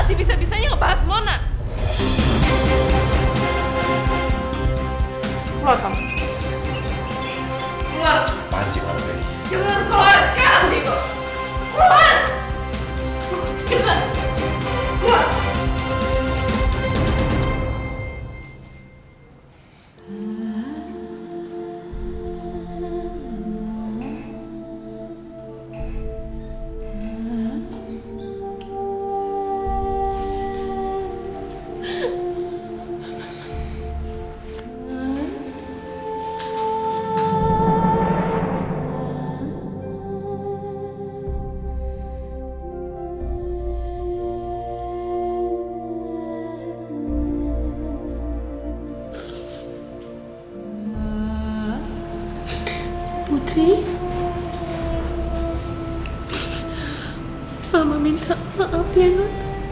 sampai jumpa di video selanjutnya